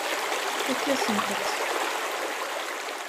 Tfakk-asent-t.